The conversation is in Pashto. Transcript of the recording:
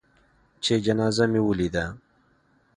چې جنازه مې لېده.